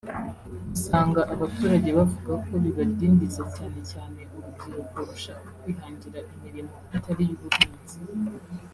usanga abaturage bavuga ko bibadindiza cyane cyane urubyiruko rushaka kwihangira imirimo itari iy’ubuhinzi